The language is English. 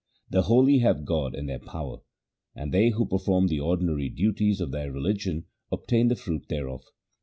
The holy have God in their power, and they who perform the ordinary duties of their religion obtain the fruit thereof.